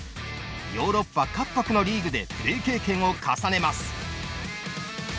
ヨーロッパ各国のリーグでプレー経験を重ねます。